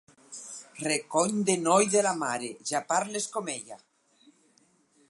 Recony de noi de la mare, ja parles com ella!